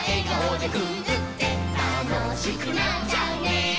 「たのしくなっちゃうね」